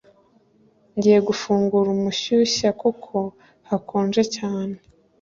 Ngiye gufungura umushyushya kuko hakonje cyane